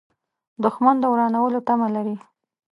دښمن د ورانولو تمه لري